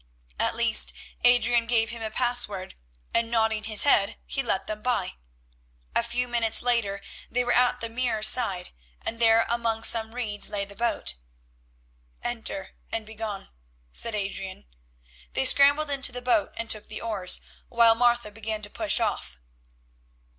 At least, Adrian gave him a pass word, and, nodding his head, he let them by. A few minutes later they were at the Mere side, and there among some reeds lay the boat. "Enter and be gone," said Adrian. They scrambled into the boat and took the oars, while Martha began to push off.